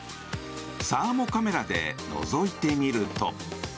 サーモカメラでのぞいてみると。